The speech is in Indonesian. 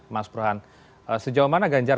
mas burhan sejauh mana ganjar